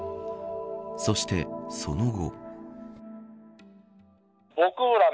そして、その後。